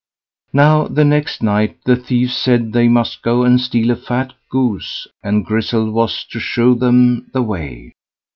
Now the next night the thieves said they must go and steal a fat goose, and Grizzel was to shew them the way.